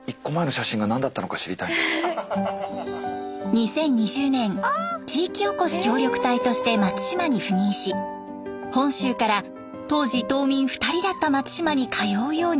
２０２０年地域おこし協力隊として松島に赴任し本州から当時島民２人だった松島に通うように。